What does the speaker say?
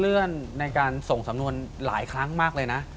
เลื่อนในการส่งสำนวนหลายครั้งมากเลยนะ